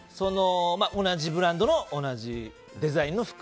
同じブランドの同じデザインの服。